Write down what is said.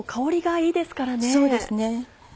そうですね。